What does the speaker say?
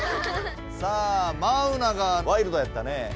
さあマウナがワイルドやったね。